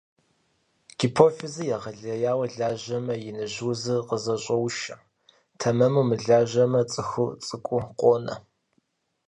Гипофизыр егъэлеяуэ лажьэмэ, иныжь узыр къызэщӀоушэ, тэмэму мылажьэмэ - цӀыхур цӀыкӀуу къонэ.